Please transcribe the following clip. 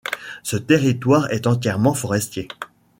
Ce territoire est entièrement forestier.